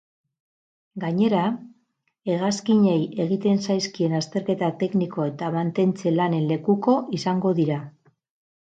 Gainera, hegazkinei egiten zaizkien azterketa tekniko eta mantentze-lanen lekuko izango dira.